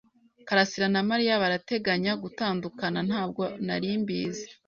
"karasira na Mariya barateganya gutandukana." "Ntabwo nari mbizi."